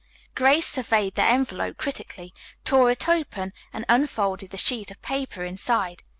Grace surveyed the envelope critically, tore it open and unfolded the sheet of paper inside.